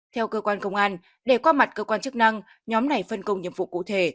theo cơ quan công an để qua mặt cơ quan chức năng nhóm này phân công nhiệm vụ cụ thể